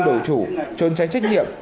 đầu chủ trôn trái trách nhiệm